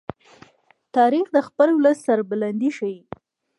تاریخ د خپل ولس د سربلندۍ ښيي.